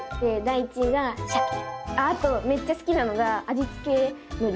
あとめっちゃすきなのが味付けのり。